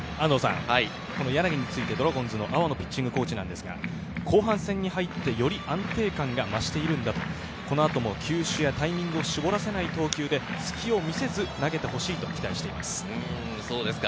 柳についてドラゴンズの阿波野ピッチングコーチは後半戦に入って、より安定感が増していると、このあと球種、タイミングを絞らせない投球で隙を見せず投げてほしいと期待しています。